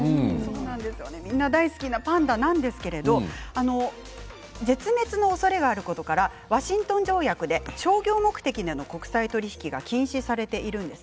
みんな大好きなパンダなんですけれど絶滅のおそれがあることからワシントン条約で商業目的での国際取引が禁止されているんです。